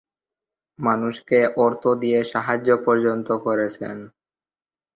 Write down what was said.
মানুষকে অর্থ দিয়ে সাহায্য পর্যন্ত করেছেন।